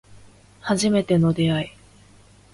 初めての出会い